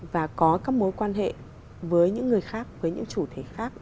và có các mối quan hệ với những người khác với những chủ thể khác